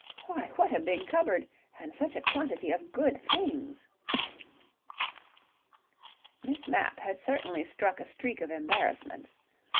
Why, what a big cupboard, and such a quantity of good things." Miss Mapp had certainly struck a streak of embarrassments.